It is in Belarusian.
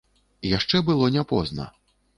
Яшчэ было не позна.